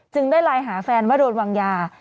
ได้ไลน์หาแฟนว่าโดนวางยา